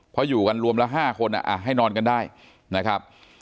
พออยู่กันรวมละห้าคนอะอะให้นอนกันได้นะครับ